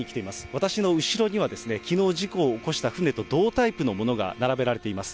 私の後ろには、きのう事故を起こした船と同タイプのものが並べられています。